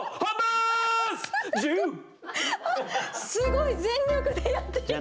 すごい全力でやって頂いて。